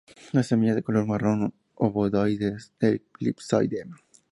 Las semillas de color marrón, obovoides elipsoide.